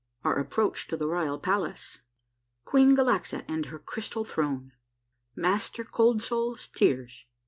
— OUR APPROACH TO THE ROYAL PALACE. — QUEEN GALAX A AND HER CRYSTAL THRONE. — MASTER COLD soul's tears.